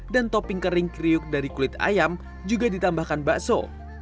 dan topping kering kriuk dari kulit ayam juga ditambahkan bakso